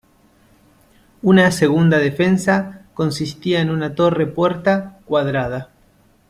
Una segunda defensa consistía en una torre-puerta cuadrada.